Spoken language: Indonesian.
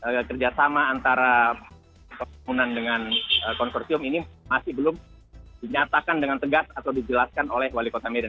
kedua kerjasama antara konsumtium ini masih belum dinyatakan dengan tegak atau dijelaskan oleh wali kota medan